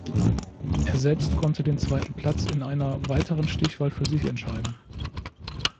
Er selbst konnte den Zweiten Platz in einer weiteren Stichwahl für sich entscheiden.